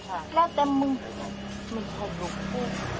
แปลว่าแต่มึงมึงเท่าโรค